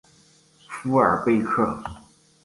富尔贝克。